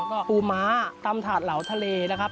ก็ปูม้าตำถาดเหลาทะเลนะครับ